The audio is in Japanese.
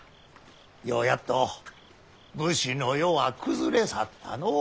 ようやっと武士の世は崩れ去ったのう！